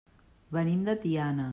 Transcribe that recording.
Venim de Tiana.